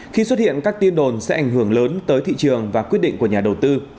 khi xuất hiện các tin đồn sẽ ảnh hưởng lớn tới thị trường và quyết định của nhà đầu tư